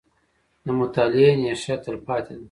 • د مطالعې نیشه، تلپاتې ده.